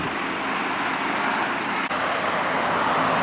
แล้วจะแบบแพทย์ถ่ายได้ไหม